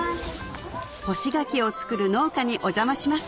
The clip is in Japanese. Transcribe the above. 干し柿を作る農家にお邪魔します